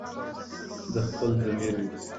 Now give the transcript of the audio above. د خپل ضمیر وي